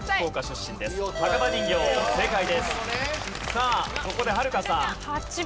さあここではるかさん。